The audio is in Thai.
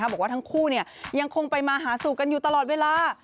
บอกว่าทั้งคู่ยังคงไปมาหาสู่กันอยู่ตลอดเวลา